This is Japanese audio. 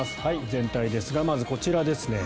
全体ですが、まずこちらですね。